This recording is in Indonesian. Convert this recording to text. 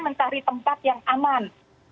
mencari tempat yang aman